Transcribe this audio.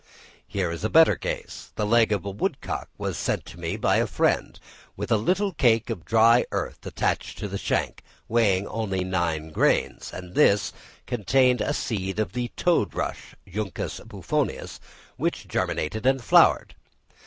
Here is a better case: the leg of a woodcock was sent to me by a friend, with a little cake of dry earth attached to the shank, weighing only nine grains; and this contained a seed of the toad rush (Juncus bufonius) which germinated and flowered.